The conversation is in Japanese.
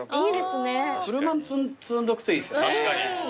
車に積んどくといいですよね。